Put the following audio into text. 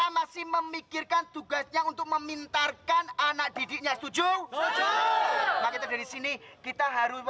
waktu yang amat sangat tidak ter